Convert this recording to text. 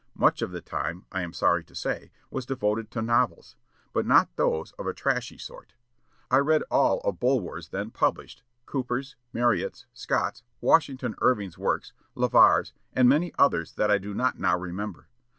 Much of the time, I am sorry to say, was devoted to novels, but not those of a trashy sort. I read all of Bulwer's then published, Cooper's, Marryat's, Scott's, Washington Irving's works, Lever's, and many others that I do not now remember.